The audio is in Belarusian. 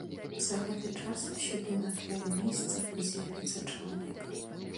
За гэты час сюды на тваё месца з'явіцца чалавек.